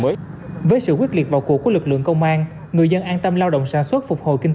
bởi với sự quyết liệt vào cuộc của lực lượng công an người dân an tâm lao động sản xuất phục hồi kinh